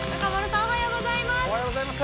おはようございます。